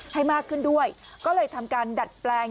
ให้มากขึ้นด้วยก็เลยทำการดัดแปลง